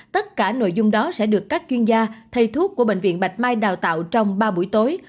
tất cả nội dung đó sẽ được các chuyên gia thầy thuốc của bệnh viện bạch mai đào tạo trong ba buổi tối